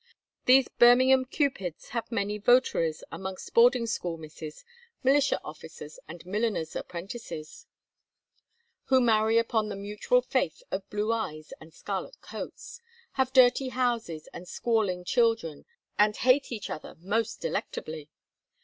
These Birmingham Cupids have many votaries amongst boarding school misses, militia officers, and milliners 'apprentices; who marry upon the mutual faith of blue eyes and scarlet coats; have dirty houses and squalling children, and hate each other most delectably.